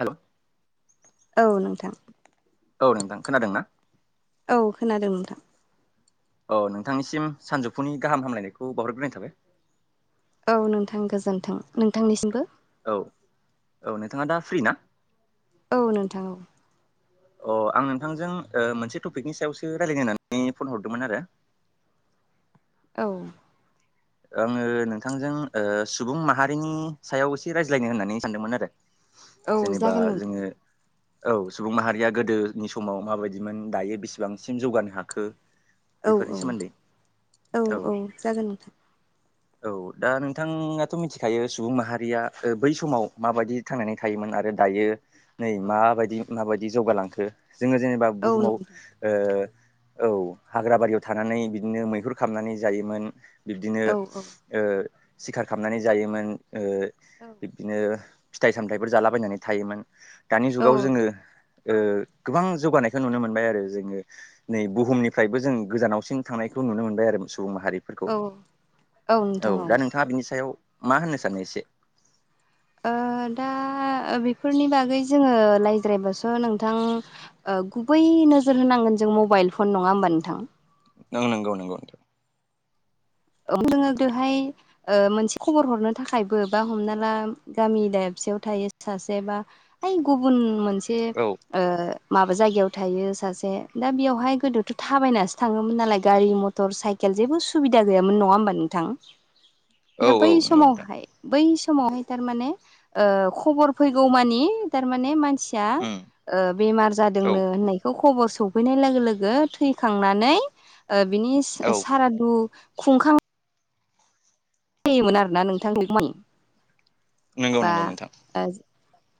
Hello. औ नोंथां। औ नोंथां खोनादों ना? औ खोनादों नोंथां। अ नोंथांनिसिम सानजौफुनि गाहाम हामलायनायखौ बावहरग्रोनाय थाबाय। औ नोंथां गोजोन्थों नोंथांनिसिमबो। औ औ नोंथाङा दा फ्रि ना औ नोंथां औ अ आं नोंथांजों मोनसे टपिकनि सायावसो रायजलायनानै फन हरदोंमोन आरो औ आङो नोंथांजों सुबुं माहारिनि सायाव एसे रायज्लायनो होननानै सानदोंमोन आरो औ जेनेबा जागोन नोंथां जोङो औ सुबुं माहारिया गोदोनि समाव माबायदिमोन दायो बेसिबांसिम जौगानो हाखो औ बेफोरनि औ सोमोन्दै औ औ जागोन नोंथां। औ दा नोंथाङाथ' मिथिखायो सुबुं माहारिया बै समाव माबायदि थांनानै थायोमोन आरो दायो नै औ औ माबायदि माबायदि जौगालांखो जोङो जेनेबा औ बुहुमाव नोंथां ओ औ हाग्राबारियाव थानानै बिदिनो मैहुर खालामनानै जायोमोन। बिब्दिनो औ सिखार खालामनानै जायोमोन बिब्दिनो फिथाइ सामथायाइफोर जालाबायनानै थायोमोन दानि औ जुगाव जोङो गोबां जौगानायखौ नुनो मोनबाय आरो जोङो नै बुहुमनिफ्रायबो जों गोजानावसिम थांनायखौ नुनो मोनबाय आरो सुबुं औ माहारिफोरखौ औ दा नोंथाङा बिनि सायाव मा होननो सानो एसे दा बेफोरनि बागै जोङो रायज्रायबासो नोंथां गुबै नोजोर होनांगोन जों मबाइल फन नङा होमबा नोंथां नों नंगौ नगौ दोङो बेवहाय मोनसे खबर हरनो थाखायबो बा हमना ला गामि दाबसेयाव थायो सासे बा इ गुबुन मोनसे औ माबा जायगायाव थायो सासे दा बेयावहाय गोदोथ' थाबायनासो थाङोमोन नालाय गारि मथर मटर साइकेल जेबो सुबिदा गैयामोन नङा होमबा नोंथां औ दा औ बै नंगौ नोंथां समावहाय बै समावहाय थारमाने खबर फैगौ मानि थारमाने मानसि उम मानसिया बेमार औ जादोंनो होननायखौ खबर सफैनाय लोगो लोगो थैखांनानै बिनि औ सारादु खुंखां होयोमोन आरोना नोंथांखौ मान नंगौ बा नंगौ नोंथां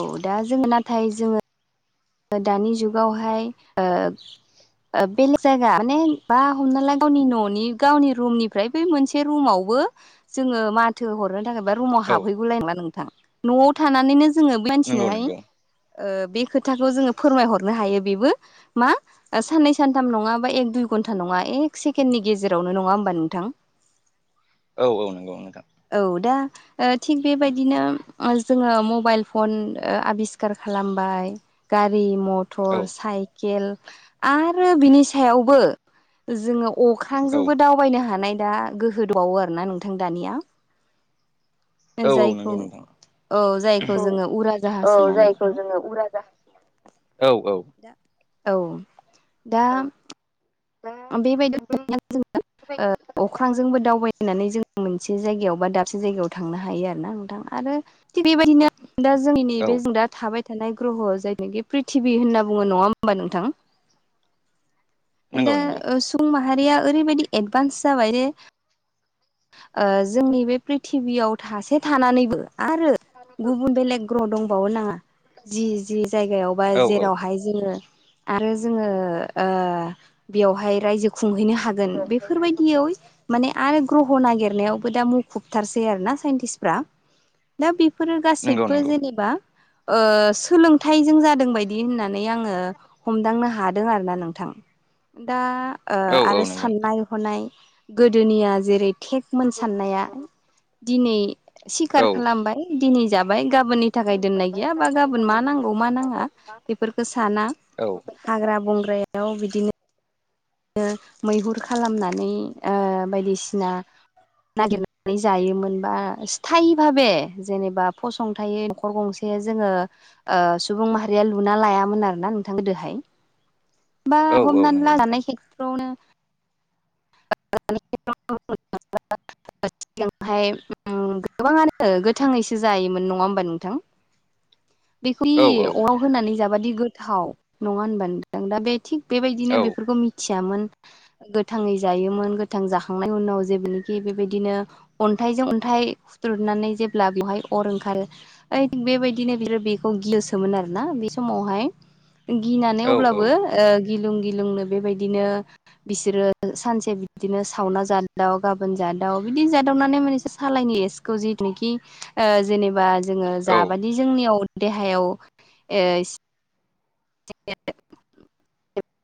औ दा जोङो नाथाय जोङो दानि जुगावहाय बेलेग जायगा माने बा हमना ला गावनि न'नि गावनि रुमनिफ्राय बे मोनसे रुमावबो जोङो म थो हरनो थाखाय बा रुमाव औ हाबहैगौलाय नङा नोंथां न'आव थानानैनो जोङो नंगौ मानसिनोहाय नंगौ बे खोथाखौ जोङो फोरमायहरनो हायो बेबो मा साननै सानथाम नङा बा एक दुइ घन्टा नङा एक सेकेणडनि गेजेरावनो नङा होमबा नोंथां औ औ नंगौ नोंथां औ दा थिग बेबायदिनो जोङो मबाइल फन आबिस्कखार खालामबाय गारि औ मथर साइकेल आरो बिनि सायावबो जोङो औ औ अख्रांजोंबो दावबायनो हानाय दा गोहो दंबावो आरोना नोंथां दानिया औ औ जायखौ नंगौ औ जायखौ नोंथां जोङो उरा जाहाज औ होननानै जायखौ बुङो जोङो उरा जाहास औ औ औ दा बेबायदिनो जोङो अख्रांजोंबो दावबायनानै जों मोन से जायगायाव बा दाबसे जायगायाव थांनो हायो आरो ना नोंथां आरो थिग बेबायदिनो दा जोंनि औ नैबे जों दा थाबाय थानाय ग्रह' जायनाखि प्रिथिबि होनना बुङो नङा हबा नोंथां नंगौ दा नंगौ सुबुं माहारिया ओरैबायदि एडभान्स जाबाय जे ओ जोंनि बे प्रिथिबियाव थासे थानानैबो आरो गुबुन बेलेग ग्रह दंबावो नाङा जि -जि जायगायाव बा औ औ जेरावहाय जोङो आरो जोङो ओ बेवहाय रायजो खुंहैनो हागोन बेफोरबायदियाव माने आरो ग्रह' नागिरनायावबो दा मुखुबथारसै आरो ना साइन्टिस्टफ्रा। दा बेफोरो नंगौ गासैबो नंगौ जेनेबा ओ सोलोंथाइजों जादों बायदि होननानै आङो हमदांनो हादों आरोना नोंथां दा ओ औ औ आरो नंगौ नोंथां साननाय हनाय गोदोनिया जेरै टेट मोन सान्नाया दिनै औ सिखार खालामबाय दिनै जाबाय गाबोननि थाखाय दोननाय गैया बा गाबोन मा नांगौ मा नाङा बेफोरखो साना औ हाग्रा बंग्रायाव बिदिनो ओ मैहुर खालामनानै ओ बायदिसिना नागिरनानै जायोमोनबा स्थाइ भाबे जेनेबा फसंथायै न'खर गंसे दायो जोङो ओ सुबुं माहारिया लुना लायामोन आरो ना नोंथां गोदोहाय। औ औ हमनानै नंगौ ला नोंथां। [unintelligible] [unintelligible] [unintelligible] सिगांहाय गोबाङानो गोथाङैसो जायोमोन नङा होमबा नोंथां? [unintelligible] बेबदि औ औ अराव होनानै जाबादि गोथाव नङा होनबा नोंथां? दा बे थिग बेबायदिनो औ बेफोरखौ मिथियामोन। गोथाङै जायोमोन। गोथां जाखांनायनि उनाव जेबोनिखि बेबायदिनो अन्थाइजों अन्थाइ हुथ्रुदनानै जेब्ला बेवहाय अर ओंखारो [unintelligible] बेबायदिनो बिसोर बेखौ गियोसोमोन आरो ना बे समावहाय। गिनानै औ अब्लाबो ओ गिलुं गिलुंनो बेबादिनो बिसोरो सानसे बिदिनो सावना जादाव गाबोन जादाव बिदि जादावनानै मोनानसो सालायनि [unintelligible] [unintelligible] जिथुखि ओ जेनेबा जोङो औ जाबानि जोंनियाव देहायाव ओ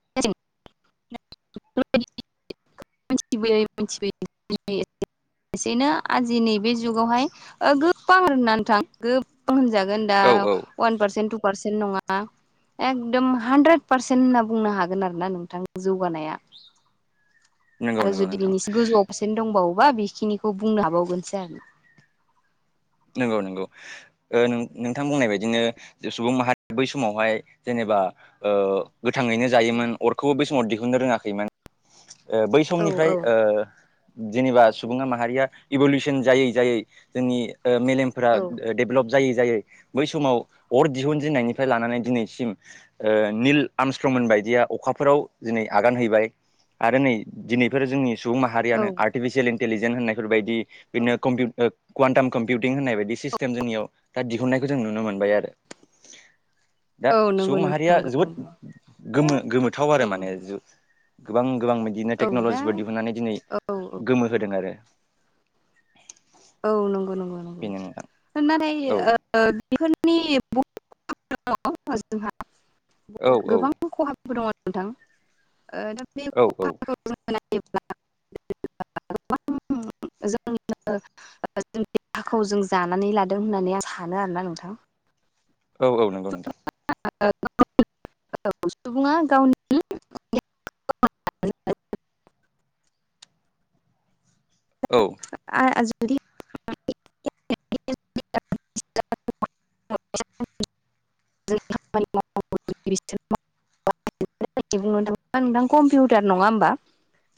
[unintelligible] मिथिबोयै [unintelligible] [unintelligible] एसेनो आजि नैबे जुगावहाय ओ गोबां होननानै नोंथां गोबां होनजागोन। दा औ अवान पारसेन्ट टु पारसेन्ट नङा। एकदम हानद्रेद पारसेन्ट होनना बुंनो हागोन आरो ना नोंथां। जौगानाया नंगौ आरो नंगौ जुदि नोंथां बिनि गोजौआव पारसेन्ट दंबावोबा बेखिनिखौ बुंनो हाबावगोनसो आरो ना। नंगौ नंगौ। ओ नोंथां बुंनाय बायदिनो सुबुं माहारि बै समावहाय जेनेबा ओ गोथाङैनो जायोमोन। अरखौबो बै समाव दिहुननो रोङाखैमोन। ओ बै औ समनिफ्राइ ओ जेनेबा सुबुङा माहारिया इभलउसन जायै- जायै जोंनि ओ मेलेम औ [unintelligible] डेभेलप जायै -जायै बै समाव अर दिहुनजेननायनिफ्राय लानानै दिनैसिम निल आरमस्त्रममोन बायदिया अखाफोराव दिनै आगान हैबाय। आरो नै दिनैफोर जोंनि सुबुं औ माहारियानो आर्टिफिसियेल इन्टेलिजेन्स होननायफोरबायदि औ बिदिनो कम -कुवानटाम कम्पिउटिं होननाय बायदि सिस्टेम जोंनियाव दा दिहुननायखौ जों नुनो मोनबाय आरो। दा औ नंगौ सुबुं नोंथां माहारिया नंगौ जोबोद नंगौ दा गोमो- गोमोथाव औ आरो माने। गोबां -गोबां बिदिनो औ दा टेक्नलजिफोर दिहुनन्नानै दिनै औ औ गोमो होदों आरो। औ नंगौ नंगौ बेनो नोंथां होननानै औ ओ औ [unintelligible] खहाबो दङ नोंथां। ओ दा बे औ औ खहाखौ [unintelligible] [unintelligible] जों जानानै लादों होननानै आं सानो आरोना नोंथां औ औ नंगौ नोंथां [unintelligible] सुबङा गावनि औ [unintelligible] [inaudible] [unintelligible] बुंनो थाङोबा नोंथां कम्पिउटार नङा होमबा?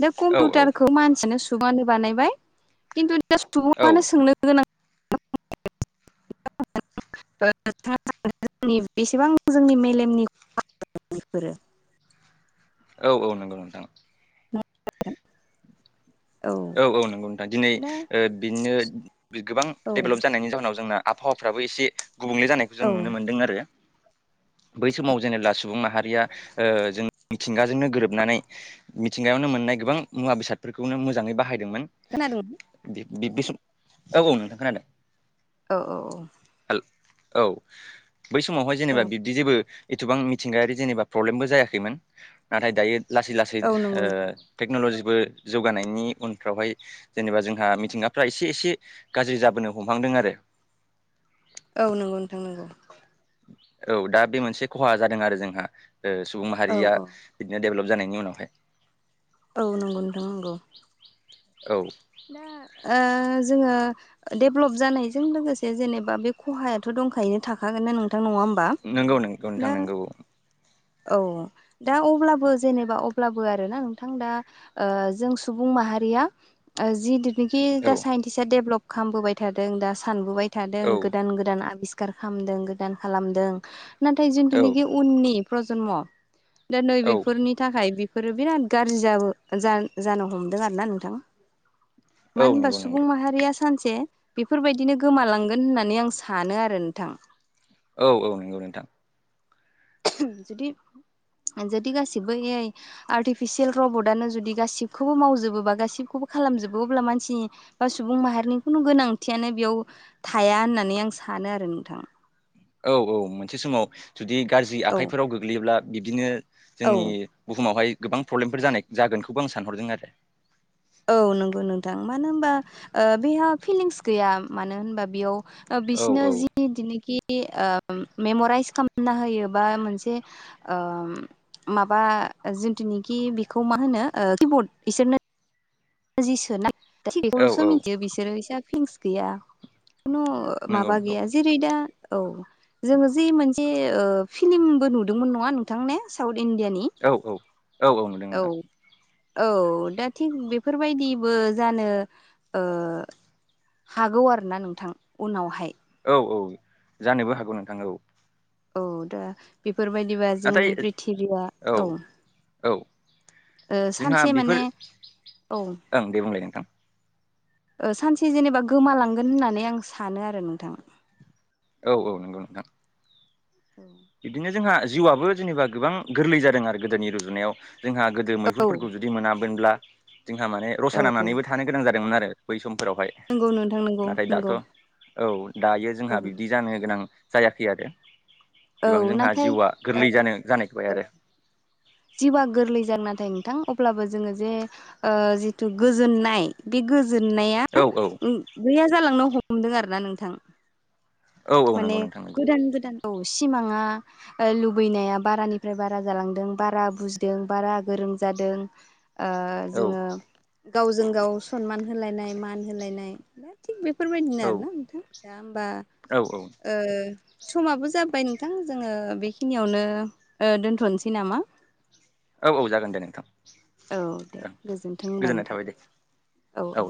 दा औ कम्पिउटारखौ मानसियानो सुबुंआनो बानायबाय खिन्थु दा औ सुबुंआनो सोंनो गोनां [unintelligible] बेसेबां जोंनि मेलेमनि [unintelligible] औ औ नंगौ नोंथां [unintelligible] औ औ नंगौ नोंथां दिनै दा ओ बिदिनो गोबां औ डेभेलप जानायनि जाहनाव जोंना आबहावाफ्राबो एसे गुबुंले जानायखौ औ जों नुनो मोन्दों आरो बै समाव जेनेबा सुबुं माहारिया ओ जों मिथिंगाजोंनो गोरोबनानै मिथिंगायावनो मोननाय गोबां मुवा बेसादफोरखौनो मोजाङै बाहायदोंमोन खोनादों [unintelligible] औ औ नोंथां खोनादों औ औ औ [unintelligible] औ बै समावहाय औ जेनेबा बिब्दि जेबो एथबां मिथिंगायारि जेनेबा प्रब्लेमबो जायाखैमोन नाथाय दायो लासै लासै औ नंगौ नोंथां टेक्न'ल'जिबो जौगानायनि उनफ्रावहाय जेनेबा जोंहा मिथिंगाफ्रा एसे एसे गाज्रि जाबोनो हमहांदों आरो [inaudible] औ नंगौ नोंथां नोंगौ औ दा बे मोनसे खहा जादों आरो जोंहा ओ सुबुं औ माहारिया औ बिदिनो डेभेलप जानायनि उनावहाय औ नंगौ नोंथां नंगौ औ दा ओ जोङो डेभलप जानायजों लोगोसे जेनेबा बे खहायाथ' दंखायनो थाखागोन ना नों थां नङा होमबा नंगौ नंगौ नोंथां ना नंगौ औ दा अब्लाबो जेनेबा अब्लाबो आरोना नोंथां दा ओ जों सुबुं माहारिया ओ जिदुनाखि दा औ साइन्टिसआ डेभलप खालामबोबाय थादों दा सानबोबाय थादों औ गोदान गोदान आबिस्खार खालामदों गोदान खालामदों नाथाय औ जोंथुनाखि उननि प्रजम' दा औ नैबेफोरनि थाखाय बेफोरो बिराद गाज्रि जाबो जा-जानो हमदों आरो ना नोंथां औ मानो होनबा नंगौ सुबुं नंगौ माहारिया सानसे बेफोरबायदिनो गोमालांगोन होननानै आं सानो आरो नोंथां औ औ नंगौ नोंथां जुदि जुदि गासिबो ए आइ आर्टिफिसियेल रबटआनो जुदि गासिबखौबो मावजोबोबा गासिबखौबो खालामजोबो अब्ला मानसिनि बा सुबुं माहारिनि खुनु गोनांथियानो बेयाव थाया होननानै आं सानो आरो नोंथां औ औ मोनसे समाव जुदि गाज्रि औ आखाइफोराव गोग्लैयोब्ला बिब्दिनो औ जोंनि बुहुमावहाय गोबां प्रब्लेमफोर जानाय जागोनखौबो आं सानहरदों आरो औ नंगौ नोंथां मानो होनबा ओ बेहा फिलिंस गैया मानो होनबा बेयाव ओ बिसोरनो औ जि दिनोखि ओ मेमराइस खालामना होयो बा मोनसे ओ माबा जिथुनिखि बेखौ मा होनो किबर्ड बिसोरनो जि सोना औ बेखौल'सो औ मिथियो बिसोरो इसा फिंस गैया खुनु नंगौ माबा नंगौ गैया जेरै दा औ जोङो जे मोनसे फिलिमबो नुदोंमोन नङा नोंथां ने साउथ इण्डियानि औ औ औ औ मोनदों नोंथां औ दा थिग बेफोरबायदिबो जानो हागौ आरो ना नोंथां उनावहाय औ औ जानोबो हागौ नोंथां औ औ दा बेफोरबायदिबा जोंनि नाथाय प्रिथिबिया औ औ ओ जोंहा सानसे बेफोर माने औ ओं दे बुंलाय नोंथां ओ सानसे जेनेबा गोमालांगोन होननानै आं सानो आरो नोंथां औ औ नंगौ नोंथां औ बिदिनो जोंहा जिउआबो जेनेबा गोबां गोरलै जादों आरो गोदोनि रुजुनायाव जोंहा गोदो औ मैहुरफोरखौ जुदि मोनामोनब्ला जोंहा माने औ रसा नामनानैबो थां थानो गोनां जादोंमोन आरो बै समफोरावहाय नंगौ नोंथां नंगौ नाथाय दाथ' नंगौ औ दायो जोंहा औ बिबदि जानो गोनां जायाखै आरो औ गोबां जोंहा नाथाय जिउआ ओ गोरलै जानो जानायखोबबाय आरो जबा गोरलै ज जादों नाथाय नोंथां अब्लाबो जोङो जे जिथु गोजोननाय बे गोजोननाया औ औ गैया जालांनो हमदों आरो ना नोंथां औ औ माने नंगौ नोंथां नंगौ गोदान गोदान औ सिमाङा लुबैनाया बारानिफ्राय बारा जालांदों बारा बुजिदों बारा गोरों जादों औ जोङो गावजों गाव सनमान होलायनाय मान होलायनाय थिग बेफोरबायदिनो औ आरोना नोंथां दा होमबा औ समाबो जाबाय नोंथां जोङो बेखिनियावनो दोनथ'नोसै नामा औ औ जागोन दे नोंथां औ दे ओं गोजोनथों होनबा गोजोननाय नोंथां थाबाय दे औ औ